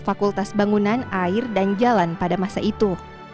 fakultas bangunan air dan jalan pada masa itu